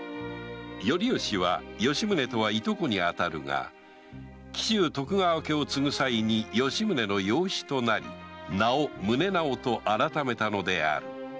頼致と吉宗は従兄弟にあたるが紀州徳川家を継ぐさいに吉宗の養子となり名を“宗直”と改めたのである